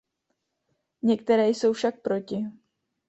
Některé jsou však proti.